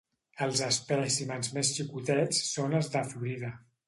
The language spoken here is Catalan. Els espècimens més xicotets són els de Florida.